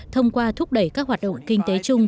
thông qua thúc đẩy các hoạt động kinh tế chung